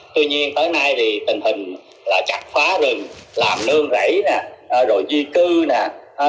tuy nhiên tới nay thì tình hình là chặt phá rừng làm lương rảy rồi di cư rồi trộm cắp